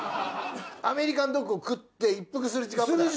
アメリカンドッグを食って一服する時間も入ってんの？